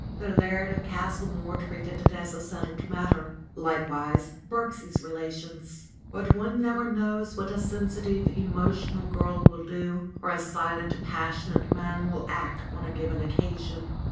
The laird of Castle Mohr treated it as a settled matter, likewise Birksie's relations. But one never knows what a sensitive, emo tional girl will do or a silent, passionate man will act on a given occasion.